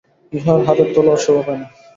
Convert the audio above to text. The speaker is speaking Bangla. ইহার হাতে তলোয়ার শোভা পায় না।